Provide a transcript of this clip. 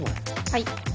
はい。